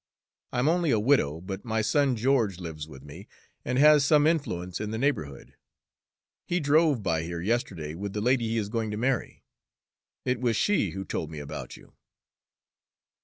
I'm only a widow, but my son George lives with me and has some influence in the neighborhood. He drove by here yesterday with the lady he is going to marry. It was she who told me about you."